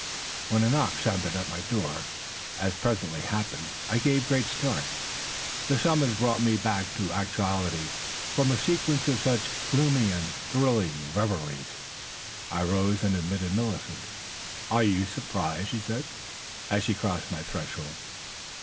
When a knock sounded at my door, as presently happened, I gave a great start ; the summons brought me oack to actuality from a sequence of such gloomy £^d thrilling reveries; I rose and admitted — ^Millioent. " Are you surprised ?" she said, as she crossed my threshold.